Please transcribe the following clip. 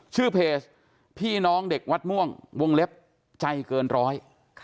ชื่อเพจพี่น้องเด็กวัดม่วงวงเล็บใจเกินร้อย